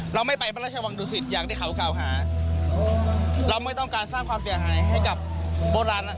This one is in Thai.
เราไม่ไปพระราชวังดุสิตอย่างที่เขากล่าวหาเราไม่ต้องการสร้างความเสียหายให้กับโบราณอ่ะ